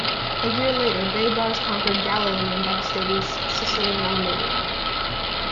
A year later, Baibars conquered Galilee and devastated Cilician Armenia.